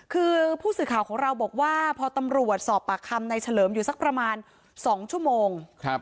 คือผู้สื่อข่าวของเราบอกว่าพอตำรวจสอบปากคำในเฉลิมอยู่สักประมาณ๒ชั่วโมง